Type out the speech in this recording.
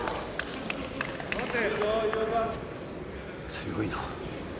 強いな。